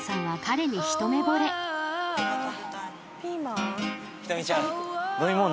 はい。